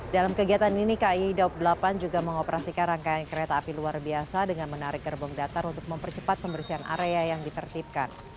dalam kegiatan ini kai daob delapan juga mengoperasikan rangkaian kereta api luar biasa dengan menarik gerbong datar untuk mempercepat pembersihan area yang ditertibkan